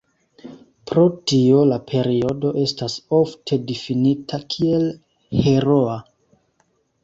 Pro tio la periodo estas ofte difinita kiel "heroa".